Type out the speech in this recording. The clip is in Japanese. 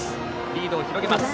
リードを広げます。